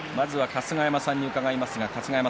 春日山さんに伺います。